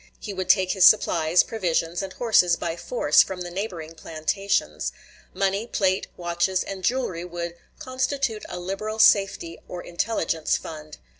He would take his supplies, provisions, and horses by force from the neighboring plantations. Money, plate, watches, and jewelry would "constitute a liberal safety or intelligence fund."